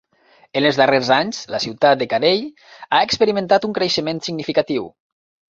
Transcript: En els darrers anys, la ciutat de Carey ha experimentat un creixement significatiu.